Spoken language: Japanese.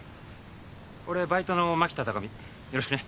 俺バイトの蒔田高巳よろしくね。